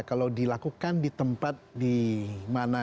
kalau dilakukan di tempat di mana